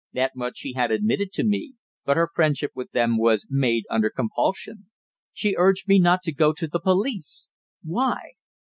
That much she had admitted to me. But her friendship with them was made under compulsion. She urged me not to go to the police. Why?